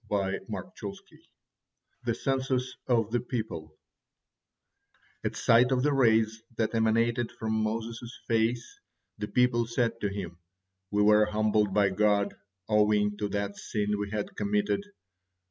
THE CENSUS OF THE PEOPLE At sight of the rays that emanated from Moses' face, the people said to him: "We were humbled by God owing to that sin we had committed.